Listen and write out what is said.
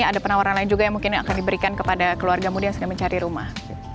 ada penawaran lain juga yang mungkin akan diberikan kepada keluarga muda yang sedang mencari rumah